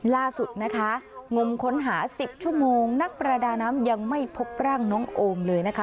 ล่าสุดนะคะงมค้นหา๑๐ชั่วโมงนักประดาน้ำยังไม่พบร่างน้องโอมเลยนะคะ